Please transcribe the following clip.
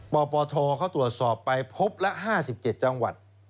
ปปทเขาตรวจสอบไปพบละ๕๗จังหวัด